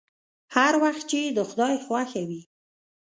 هر وخت چې د خداى خوښه وي.